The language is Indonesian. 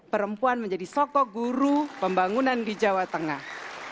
perempuan menjadi sosok guru pembangunan di jawa tengah